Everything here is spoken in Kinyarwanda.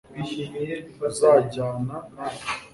uzajyana natwe